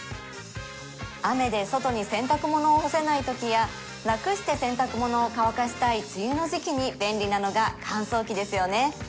雨で外に洗濯物を干せないときや楽して洗濯物を乾かしたい梅雨の時期に便利なのが乾燥機ですよね